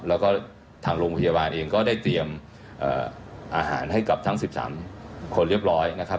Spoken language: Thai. แล้วก็ทางโรงพยาบาลเองก็ได้เตรียมอาหารให้กับทั้ง๑๓คนเรียบร้อยนะครับ